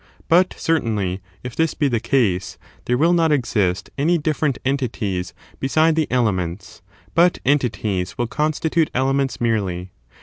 But, certainly, if this be the case, there will not exist any different entities beside the elements; but entities will constitute elements merely.